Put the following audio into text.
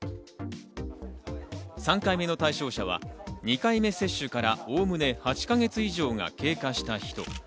３回目の対象者は２回目接種からおおむね８か月以上が経過した人。